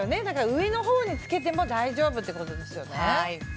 上のほうにつけても大丈夫ってことですよね。